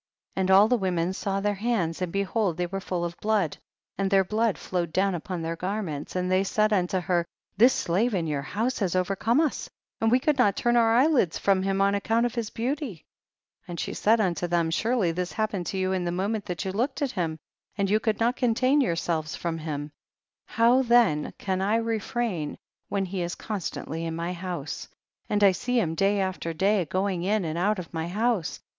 32. And all the women saw their hands, and behold they were full of blood, and their blood flowed down upon their garments, and they said unto her, tliis slave in your house has overcome us, and we could not turn our eyelids from him on account of his beauty. 33. And she said unto them, surely this happened to you in the moment that you looked at him, and you could not contain yourselves from him ; how then can I refrain when he is constantly in my house, and I see him day after day going in and out of my house